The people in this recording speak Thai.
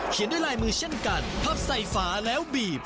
ด้วยลายมือเช่นกันพับใส่ฝาแล้วบีบ